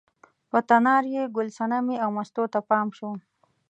په تنار یې ګل صنمې او مستو ته پام شو.